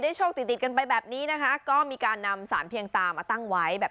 โชคติดติดกันไปแบบนี้นะคะก็มีการนำสารเพียงตามาตั้งไว้แบบ